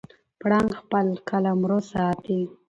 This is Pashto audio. پړانګ خپل قلمرو ساتي.